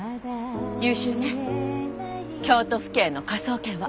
優秀ね京都府警の科捜研は。